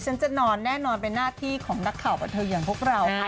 ฉันจะนอนแน่นอนเป็นหน้าที่ของนักข่าวบันเทิงอย่างพวกเราค่ะ